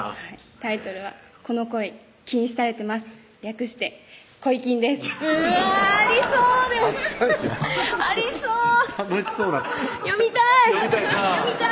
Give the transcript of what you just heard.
タイトルはこの恋、禁止されてます略して恋禁ですうわありそうであったんやありそう読みたい！